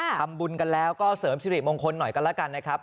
ทำบุญกันแล้วก็เสริมสิริมงคลหน่อยกันแล้วกันนะครับ